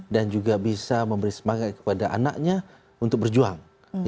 dan juga bisa memberi semangat kepada anaknya untuk berjuang